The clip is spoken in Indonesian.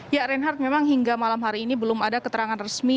ya reinhardt memang hingga malam hari ini belum ada keterangan resmi